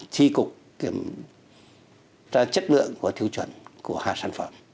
tri cục kiểm tra chất lượng và tiêu chuẩn của hai sản phẩm